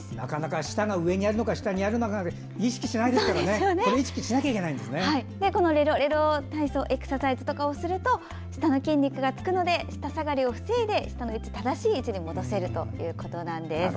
舌が上にあるのか下にあるのかなんてレロレロエクササイズをすると舌の筋肉がつくので舌下がりを防いで正しい位置に戻せるということなんです。